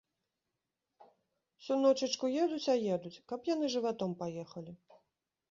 Усю ночачку едуць а едуць, каб яны жыватом паехалі.